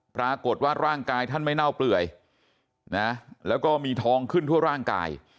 ปรากฏว่าร่างกายท่านไม่เน่าเปื่อยนะแล้วก็มีทองขึ้นทั่วร่างกาย